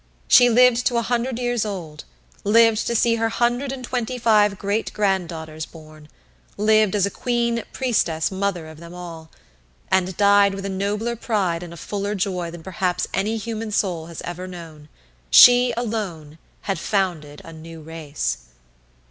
She lived to a hundred years old; lived to see her hundred and twenty five great granddaughters born; lived as Queen Priestess Mother of them all; and died with a nobler pride and a fuller joy than perhaps any human soul has ever known she alone had founded a new race!